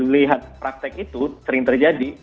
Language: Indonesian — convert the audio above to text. lihat praktek itu sering terjadi